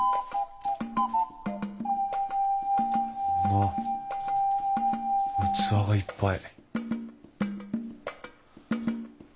わっ器がいっぱい。